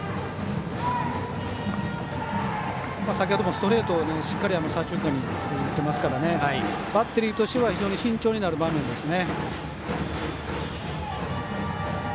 先ほどもストレート、しっかり左中間に打っていますからバッテリーとしては非常に慎重になる場面ですね。